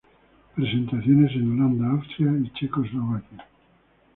Presentaciones en Holanda, Austria y Checoslovaquia.